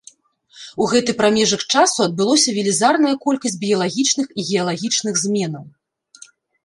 У гэты прамежак часу адбылося велізарная колькасць біялагічных і геалагічных зменаў.